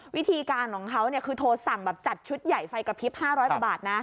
วิธีการของเขาคือโทรสั่งแบบจัดชุดใหญ่ไฟกระพริบ๕๐๐กว่าบาทนะ